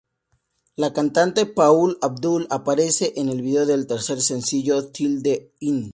La cantante Paula Abdul aparece en el vídeo del tercer sencillo, "Till the End".